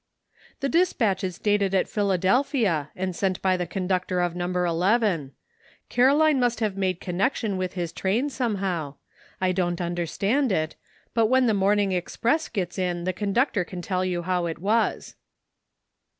"The dispatch is dated at Philadelphia and sent by the conductor of No. 11. Caroline WAITING. 123 must have made connection with his train some how. I don't understand it, but when the morning express gets in the conductor can tell you how it was."